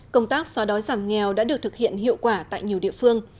công tác xóa đói giảm nghèo đã được thực hiện hiệu quả tại nhiều địa phương